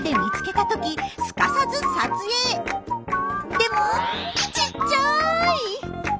でもちっちゃい！